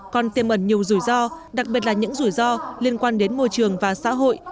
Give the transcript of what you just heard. còn tiêm ẩn nhiều rủi ro đặc biệt là những rủi ro liên quan đến môi trường và xã hội